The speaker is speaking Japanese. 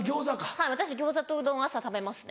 はい私餃子とうどん朝食べますね。